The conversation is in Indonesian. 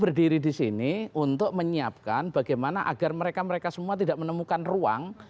berdiri di sini untuk menyiapkan bagaimana agar mereka mereka semua tidak menemukan ruang